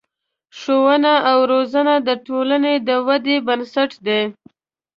ښوونه او روزنه د ټولنې د ودې بنسټ دی.